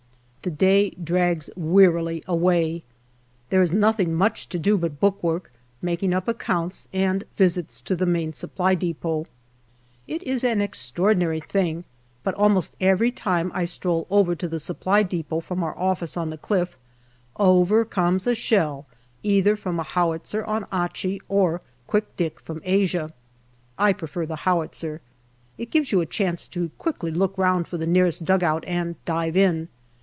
The day drags wearily away. There is nothing much to do but bookwork, making up accounts, and visits to the Main Supply depot. It is an extraordinary thing, but almost every time I stroll over to the Supply depot from our office on the cliff, over comes a shell either from a howitzer on Achi or " Quick Dick " from Asia. I prefer the howitzer. It gives you a chance to quickly look round for the nearest dugout and dive in.